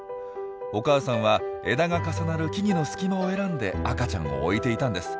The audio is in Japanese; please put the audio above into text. お母さんは枝が重なる木々の隙間を選んで赤ちゃんを置いていたんです。